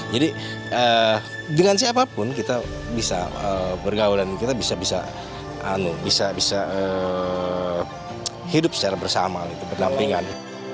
jadi dengan siapapun kita bisa bergaulan kita bisa hidup secara bersama berlampingan